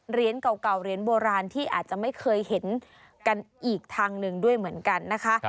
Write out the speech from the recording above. เหรียญเก่าเหรียญโบราณที่อาจจะไม่เคยเห็นกันอีกทางหนึ่งด้วยเหมือนกันนะคะ